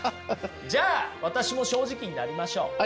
じゃあ私も正直になりましょう。